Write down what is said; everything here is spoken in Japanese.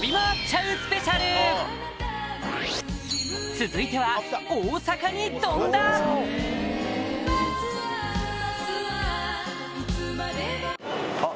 続いては大阪に飛んだあっ！